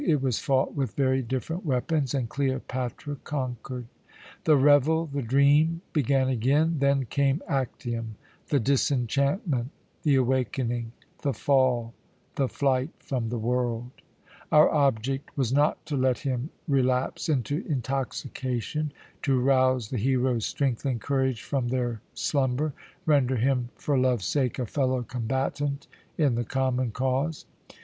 It was fought with very different weapons, and Cleopatra conquered. The revel, the dream began again. Then came Actium, the disenchantment, the awakening, the fall, the flight from the world. Our object was not to let him relapse into intoxication, to rouse the hero's strength and courage from their slumber, render him for love's sake a fellow combatant in the common cause.